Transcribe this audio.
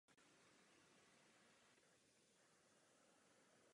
Věnovalo se též šíření veřejného povědomí o činnostech jejích jednotlivých členů.